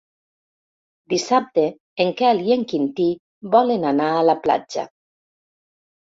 Dissabte en Quel i en Quintí volen anar a la platja.